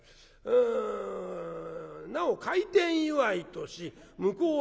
うん『なお開店祝いとし向こう